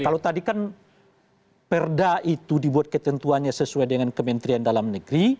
kalau tadi kan perda itu dibuat ketentuannya sesuai dengan kementerian dalam negeri